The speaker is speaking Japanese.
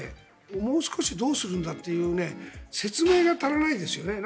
もう少しどうするんだという説明が足らないですよね。